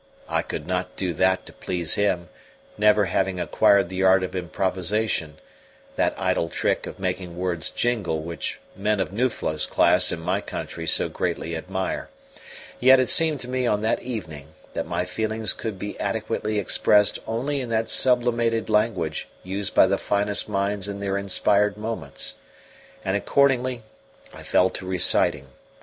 I could not do that to please him, never having acquired the art of improvisation that idle trick of making words jingle which men of Nuflo's class in my country so greatly admire; yet it seemed to me on that evening that my feelings could be adequately expressed only in that sublimated language used by the finest minds in their inspired moments; and, accordingly, I fell to reciting.